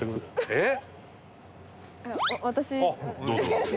えっ？